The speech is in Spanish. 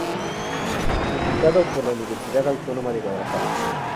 Publicado por la Universidad Autónoma de Guadalajara.